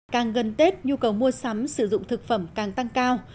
càng gần tết nhu cầu mua sắm sử dụng thực phẩm càng tăng cao